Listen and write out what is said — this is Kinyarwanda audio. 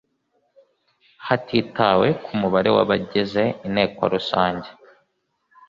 hatitawe ku mubare w abagize Inteko Rusange